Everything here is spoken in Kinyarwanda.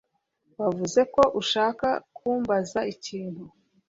Wavuze ko ushaka kumbaza ikintu